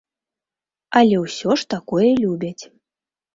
Але ўсё ж такое любяць.